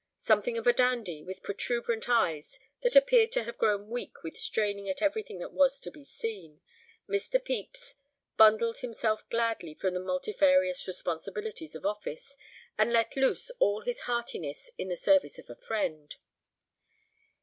Something of a dandy, with protuberant eyes that appeared to have grown weak with straining at everything that was to be seen, Mr. Pepys bundled himself gladly from the multifarious responsibilities of office, and let loose all his heartiness in the service of a friend.